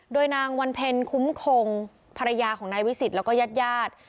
โดยนางวันเพ็ญคุ้มคงภรรยาของนายวิสิตแล้วก็ญาติญาติ